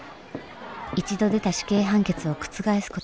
一度出た死刑判決を覆すことは難しい。